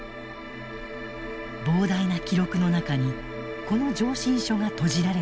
膨大な記録の中にこの上申書がとじられていた。